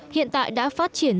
hiện tại đã phát triển